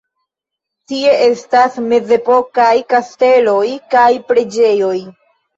Tie estas mezepokaj kastelo kaj preĝejo.